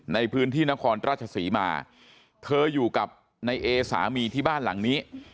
ในพื้นที่นครราชศรีมาเธออยู่กับนายเอสามีที่บ้านหลังนี้